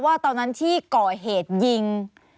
ว่าตอนนั้นที่ก่อเหตุยิง